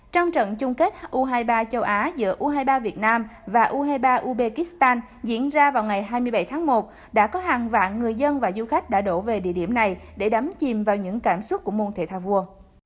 trong trận chung kết u hai mươi ba châu á giữa u hai mươi ba việt nam và u hai mươi ba ubkistan diễn ra vào ngày hai mươi bảy tháng một đã có hàng vạn người dân và du khách đã đổ về địa điểm này để đắm chìm vào những cảm xúc của môn thể thao vua